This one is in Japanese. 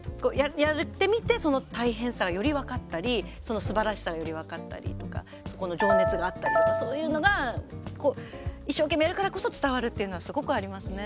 やってみて、その大変さがより分かったりそのすばらしさがより分かったりとかそこの情熱があったりとかそういうのが一生懸命やるからこそ伝わるというのはすごくありますね。